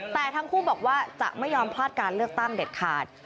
แต่ทั้งคู่บอกว่าจะไม่ยอมพลาดการเลือกตั้งเด็ดขาด